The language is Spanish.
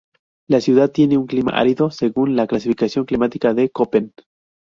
La ciudad tiene un clima árido, según la clasificación climática de Köppen.